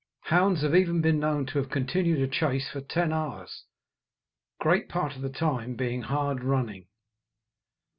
Hounds have even been known to have continued a chase for ten hours, great part of the time being hard running.